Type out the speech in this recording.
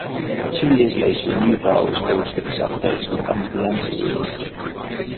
Two years later, a new bar was built in the sub-basement under the Ante-Room.